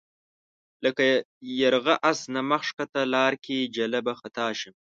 لکه یرغه آس نه مخ ښکته لار کې جلَب خطا شم